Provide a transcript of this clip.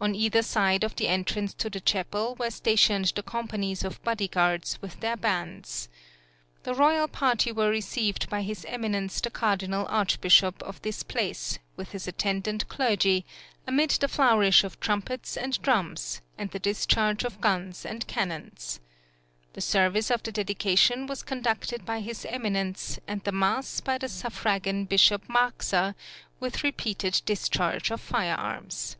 On either side of the entrance to the chapel were stationed the companies of body guards with their bands. The royal party were received by his Eminence the Cardinal Archbishop of this place with his attendant clergy, amid the flourish of trumpets and drums, and the discharge of guns and cannons. The service of the dedication was conducted by his Eminence, and the mass by the suffragan Bishop Marxer, with repeated discharge of fire arms.